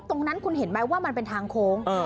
ตรงนั้นคุณเห็นไหมว่ามันเป็นทางโค้ง